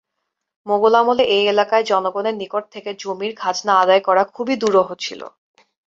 মোগল আমলে এ এলাকার জনগণের নিকট থেকে জমির খাজনা আদায় করা খুবই দুরূহ ছিল।